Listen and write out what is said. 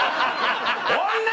女！